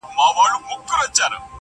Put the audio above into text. o په ښو پردي خپلېږي.